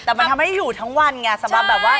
แต่มันทำให้อยู่ทั้งวันไงสำหรับแบบว่า